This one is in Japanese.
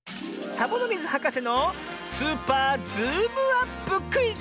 サボノミズはかせの「スーパーズームアップクイズ」！